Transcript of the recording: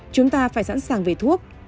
chúng ta phải sẵn sàng về thuốc